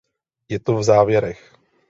Je to v závěrech.